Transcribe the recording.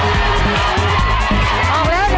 ออกแล้วครับไปต้อนรับ